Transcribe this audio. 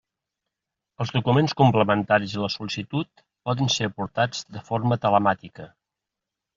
Els documents complementaris a la sol·licitud poden ser aportats de forma telemàtica.